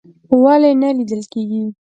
ولې نه لیدل کیږي؟